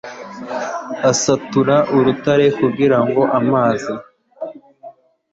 asatura urutare kugira ngo amazi